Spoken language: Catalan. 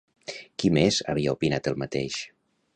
Qui més havia opinat el mateix?